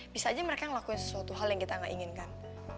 bisa aja mereka ngelakuin sesuatu hal yang kita gak inginkan